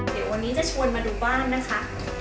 เดี๋ยววันนี้จะชวนมาดูบ้านนะคะ